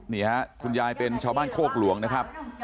นี่ฮะคุณยายเป็นชาวบ้านโคกหลวงนะครับ